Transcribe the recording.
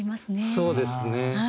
そうですね。